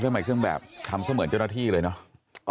ทำไมเครื่องแบบทำเสมือนเจ้าหน้าที่เลยเนอะ